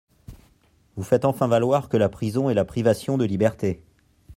Vous faites enfin valoir que la prison est la privation de liberté.